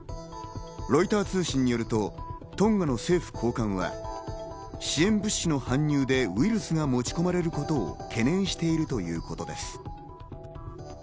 ロイター通信によると、トンガの政府高官は支援物資の搬入でウイルスが持ち込まれることを懸念しているということです。